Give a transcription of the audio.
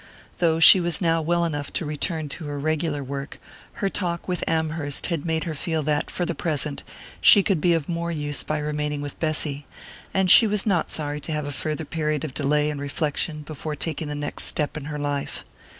Though she was now well enough to return to her regular work, her talk with Amherst had made her feel that, for the present, she could be of more use by remaining with Bessy; and she was not sorry to have a farther period of delay and reflection before taking the next step in her life.